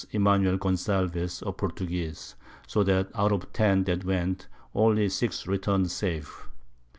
Emanuel Gonsalves_, a Portuguese: So that out of ten that went, only 6 return'd safe.